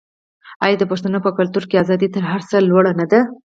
آیا د پښتنو په کلتور کې ازادي تر هر څه لوړه نه ده؟